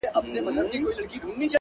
سوچه کاپیر وم چي راتلم تر میخانې پوري ـ